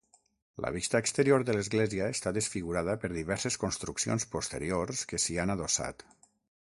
La vista exterior de l'església està desfigurada per diverses construccions posteriors que s'hi han adossat.